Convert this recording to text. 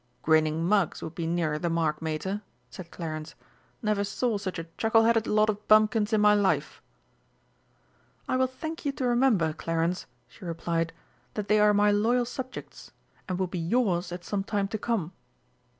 "Grinning mugs would be nearer the mark, Mater," said Clarence; "never saw such a chuckle headed lot of bumpkins in my life!" "I will thank you to remember, Clarence," she replied, "that they are my loyal subjects, and will be yours at some time to come."